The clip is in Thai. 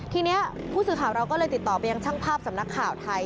ทีนี้ผู้สื่อข่าวเราก็เลยติดต่อไปยังช่างภาพสำนักข่าวไทย